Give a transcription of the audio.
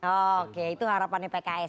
oke itu harapannya pki